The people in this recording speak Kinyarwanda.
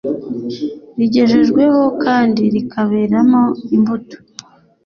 rigejejweho kandi rikaberamo imbuto.